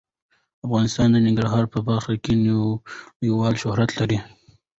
افغانستان د ننګرهار په برخه کې نړیوال شهرت لري.